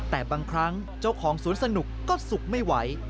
แต่บางครั้งเจ้าของสวนสนุกก็สุกไม่ไหว